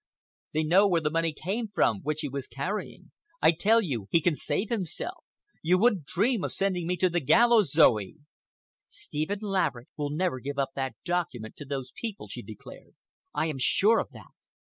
They know where the money came from which he was carrying. I tell you he can save himself. You wouldn't dream of sending me to the gallows, Zoe!" "Stephen Laverick will never give up that document to those people," she declared. "I am sure of that."